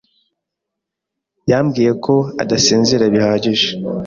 yambwiye ko adasinzira bihagije.